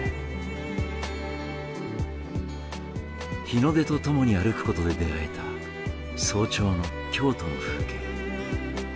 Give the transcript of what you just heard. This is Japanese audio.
日の出とともに歩くことで出会えた早朝の京都の風景。